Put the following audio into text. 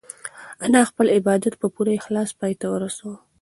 انا خپل عبادت په پوره اخلاص پای ته ورساوه.